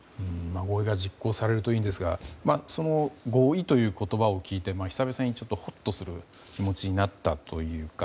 合意が実行されるといいんですがその合意という言葉を聞いて久しぶりにほっとする気持ちになったというか。